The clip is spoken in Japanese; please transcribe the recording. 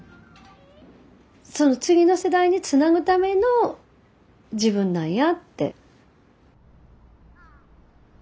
その次の世代につなぐための自分なんやって。